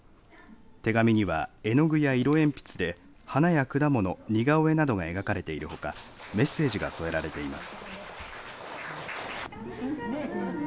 手紙には絵の具や色鉛筆で花や果物、似顔絵などが描かれているほかメッセージが添えられています。